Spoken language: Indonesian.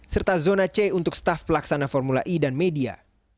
serta zona c untuk staf pelaksana formula e dan media